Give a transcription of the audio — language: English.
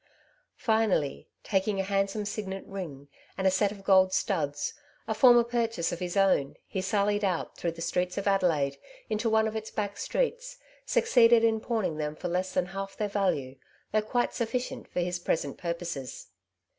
Finally, taking a handsome signet ring, and set of gold studs, a former purchase of his own, he sallied out through the streets of Adelaide into one of its back streets, succeeded in pawning them for less than half their value> though quite suffi cient for his present purposes.